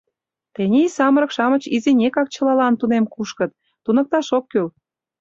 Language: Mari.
Тений самырык-шамыч изинекак чылалан тунем кушкыт, туныкташ ок кӱл.